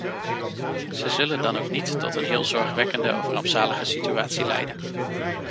Ze zullen dan ook niet tot een heel zorgwekkende of rampzalige situatie leiden.